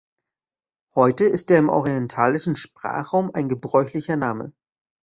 Heute ist er im orientalischen Sprachraum ein gebräuchlicher Name.